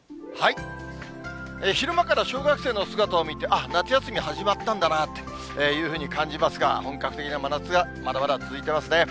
昼間から小学生の姿を見て、あっ、夏休み始まったんだなというふうに感じますが、本格的な夏がまだまだ続いてますね。